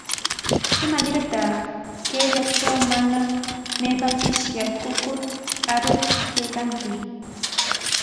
¿Imanirtaq kayllatraw mana maypapis yarqukur arur kaykanki?